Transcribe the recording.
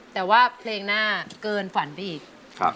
แต่ว่าเพลงหน้าเกินฝันไปอีก